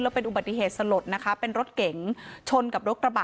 เป็นอุบัติเหตุสลดนะคะเป็นรถเก๋งชนกับรถกระบะ